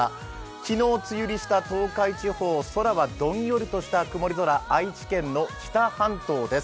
昨日梅雨入りした東海地方空はどんよりした曇り空、愛知県の知多半島です。